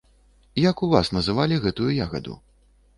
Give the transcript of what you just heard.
Як у вас называлі гэтую ягаду?